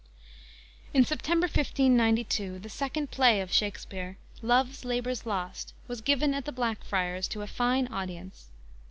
_ In September, 1592, the second play of Shakspere, "Love's Labor's Lost," was given at the Blackfriars, to a fine audience.